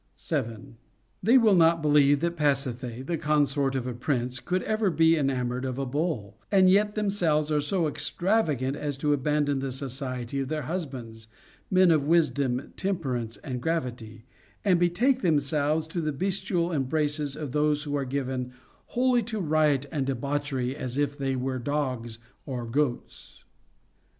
7. They will not believe that Pasiphae, the consort of a prince, could ever be enamored of a bull, and yet themselves are so extravagant as to abandon the society of their husbands, — men of wisdom, temperance, and gravity, — and betake themselves to the bestial embraces of those who are given wholly to riot and debauchery as if they were dogs or goats.